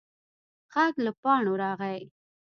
غږ له پاڼو راغی.